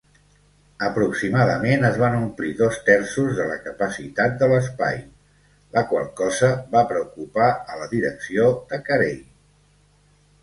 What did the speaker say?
Aproximadament es van omplir dos terços de la capacitat de l'espai, la qual cosa va preocupar a la direcció de Carey.